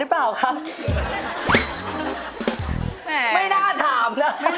อยากจะได้แอบอิ่ง